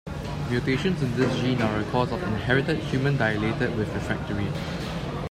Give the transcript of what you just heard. Mutations in this gene are a cause of inherited human dilated with refractory.